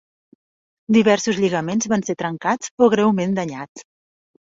Diversos lligaments van ser trencats o greument danyats.